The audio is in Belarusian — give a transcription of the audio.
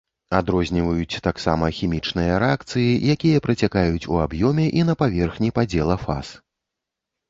Адрозніваюць таксама хімічныя рэакцыі, якія працякаюць у аб'ёме і на паверхні падзела фаз.